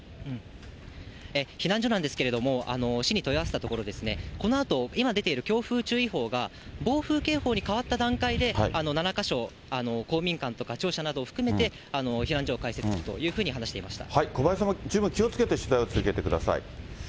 避難所なんですけれども、市に問い合わせたところ、このあと今出ている強風注意報が暴風警報に変わった段階で７か所、公民館とか庁舎などを含めて、避難所を開設するというふうに話し小林さんも十分気をつけて取材を続けてください。